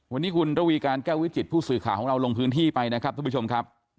วันนี้คุณระวีการแก้ววิจิตผู้สื่อข่าวของเราลงพื้นที่ไปนะครับทุกผู้ชมครับ